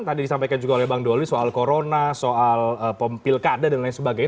tadi disampaikan juga oleh bang doli soal corona soal pilkada dan lain sebagainya